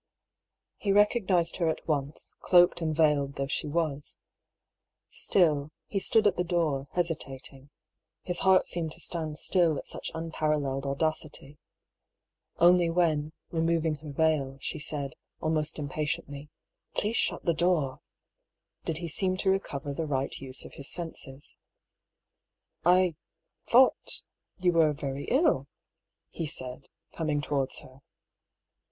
He recognised her at once, cloaked and veiled though she was. Still, he stood at the door, hesitating ; his heart seemed to stand still at such unparalleled audacity. Only when, removing her veil, she said, almost impatiently, "Please shut the door," did he seem to recover the right use of his senses. " I thought — you were very ill," he said, coming towards her.